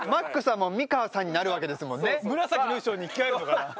紫の衣装に着替えるのかな？